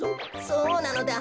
そうなのだ。